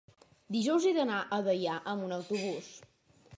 Dijous he d'anar a Deià amb autobús.